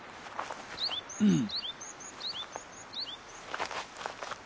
うん。